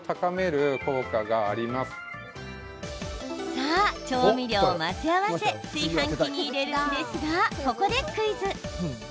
さあ、調味料を混ぜ合わせ炊飯器に入れるんですがここでクイズ。